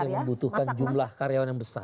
yang membutuhkan jumlah karyawan yang besar